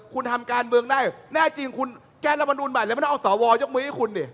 คุณทำการเมืองได้แน่จริงคุณแก้รัฐมนุนใหม่แล้วไม่ต้องเอาสวยกมือให้คุณดิ